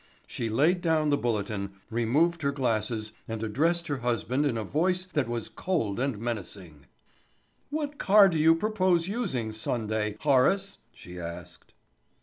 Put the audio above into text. She laid down the Bulletin, removed her glasses and addressed her husband in a voice that was cold and menacing. "What car do you propose using Sunday, Horace?" she asked.